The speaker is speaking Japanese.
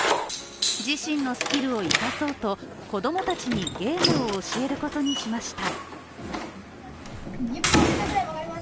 自身のスキルを生かそうと子供たちにゲームを教えることにしました。